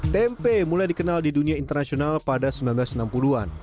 tempe mulai dikenal di dunia internasional pada seribu sembilan ratus enam puluh an